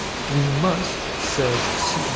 " We must," says C.